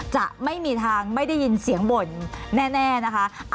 จะไม่มีทางไม่ได้ยินเสียงบ่นแน่นะคะ